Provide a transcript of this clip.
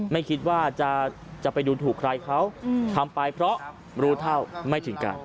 ไม่คิดว่าจะไปดูถูกใครเขาทำไปเพราะรู้เท่าไม่ถึงการ